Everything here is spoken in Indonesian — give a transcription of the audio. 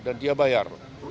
dan dia bayar